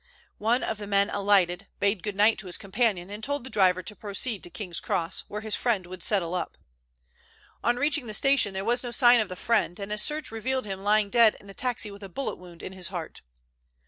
One of the men alighted, bade good night to his companion, and told the driver to proceed to King's Cross, where his friend would settle up. On reaching the station there was no sign of the friend, and a search revealed him lying dead in the taxi with a bullet wound in his heart.